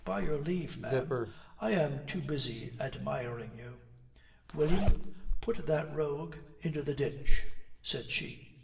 "By your leave, ma'am, I am too busy admiring you." "William, put that rogue into the ditch," said she.